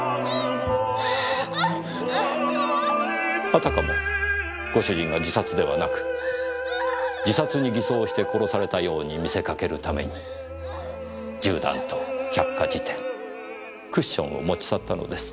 あたかもご主人が自殺ではなく自殺に偽装して殺されたように見せかけるために銃弾と百科事典クッションを持ち去ったのです。